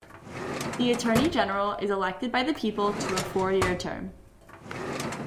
The Attorney General is elected by the people to a four-year term.